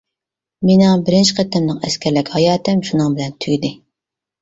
مېنىڭ بىرىنچى قېتىملىق ئەسكەرلىك ھاياتىم شۇنىڭ بىلەن تۈگىدى.